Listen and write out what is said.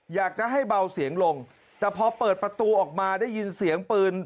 อยากจะให้เบาเสียงลงแต่พอเปิดประตูออกมาได้ยินเสียงปืน